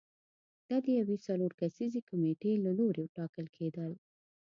دا د یوې څلور کسیزې کمېټې له لوري ټاکل کېدل